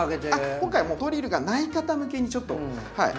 今回もうドリルがない方むけにちょっと。